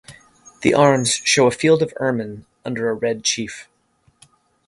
The arms show a field of ermine under a red chief.